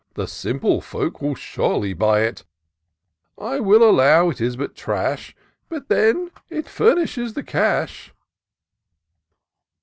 The simple folk will surely buy it. I will allow it is but trash, But then it furnishes the cash."